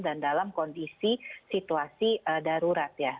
dan dalam kondisi situasi darurat ya